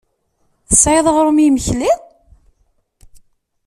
Tesɛiḍ aɣrum i yimekli?